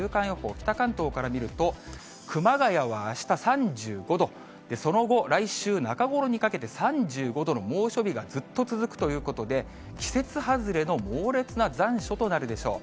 北関東から見ると、熊谷はあした３５度、その後、来週中ごろにかけて３５度の猛暑日がずっと続くということで、季節外れの猛烈な残暑となるでしょう。